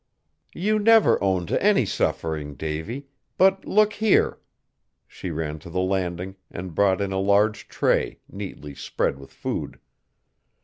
"You never own to any suffering, Davy, but look here!" She ran to the landing and brought in a large tray, neatly spread with food.